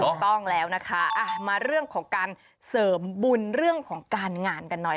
ถูกต้องแล้วนะคะมาเรื่องของการเสริมบุญเรื่องของการงานกันหน่อย